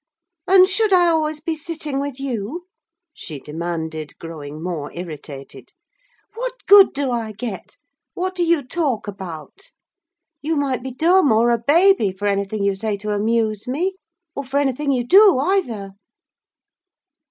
"And should I always be sitting with you?" she demanded, growing more irritated. "What good do I get? What do you talk about? You might be dumb, or a baby, for anything you say to amuse me, or for anything you do, either!"